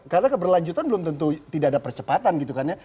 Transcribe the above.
karena keberlanjutan belum tentu tidak ada percepatan gitu kan ya